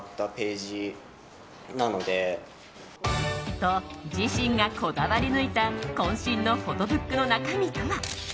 と、自身がこだわり抜いた渾身のフォトブックの中身とは？